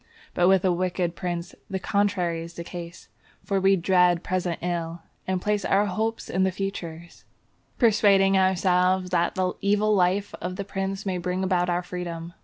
But with a wicked prince the contrary is the case; for we dread present ill, and place our hopes in the future, persuading ourselves that the evil life of the prince may bring about our freedom.